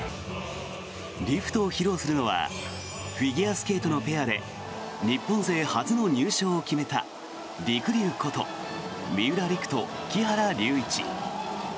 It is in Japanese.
リフトを披露するのはフィギュアスケートのペアで日本勢初の入賞を決めたりくりゅうこと三浦璃来と木原龍一。